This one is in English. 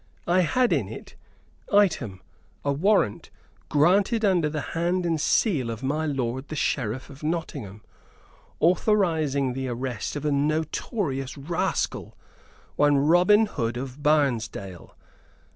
I had in it, item, a warrant, granted under the hand and seal of my lord the Sheriff of Nottingham, authorizing the arrest of a notorious rascal, one Robin Hood of Barnesdale.